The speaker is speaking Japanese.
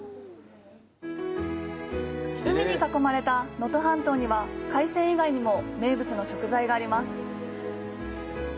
海に囲まれた能登半島には、海鮮以外にも名物の食材があります。